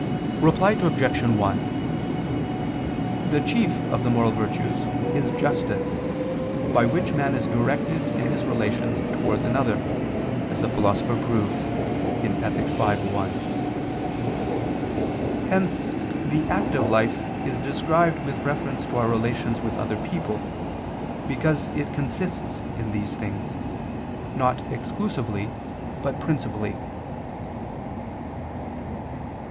Reply Obj. 1: The chief of the moral virtues is justice by which one man is directed in his relations towards another, as the Philosopher proves (Ethic. v, 1). Hence the active life is described with reference to our relations with other people, because it consists in these things, not exclusively, but principally.